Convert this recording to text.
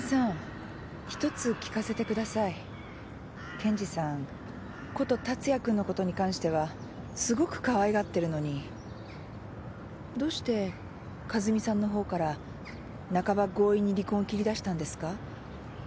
健児さんこと達也君のことに関してはすごくかわいがってるのにどうして和美さんのほうから半ば強引に離婚を切り出したんですか？